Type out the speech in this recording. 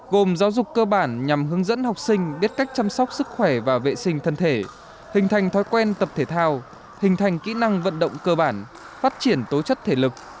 gồm giáo dục cơ bản nhằm hướng dẫn học sinh biết cách chăm sóc sức khỏe và vệ sinh thân thể hình thành thói quen tập thể thao hình thành kỹ năng vận động cơ bản phát triển tố chất thể lực